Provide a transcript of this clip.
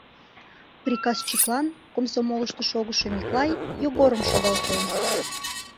Приказчиклан комсомолышто шогышо Миклай Йогорым шогалтен.